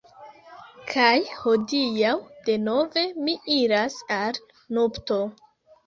Kaj hodiaŭ, denove, mi iras al nupto.